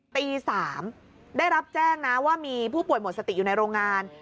ตี๓ได้รับแจ้งนะว่ามีผู้ป่วยหมดสติอยู่ในโรงงาน